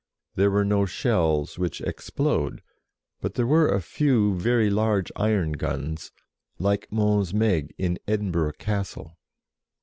There were no shells, which explode, but there were a few very large iron guns, like Mons Meg in Edinburgh Castle.